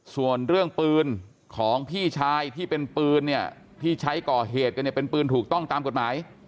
ส่วนเรื่องปืนของพี่ชายที่เป็นปืนเนี่ยที่ใช้ก่อเหตุกันเนี่ยเป็นปืนถูกต้องตามกฎหมาย